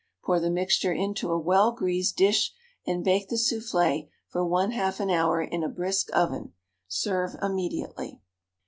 Pour the mixture into a well greased dish, and bake the soufflé for 1/2 an hour in a brisk oven. Serve immediately.